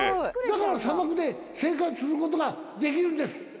だから砂漠で生活することができるんです。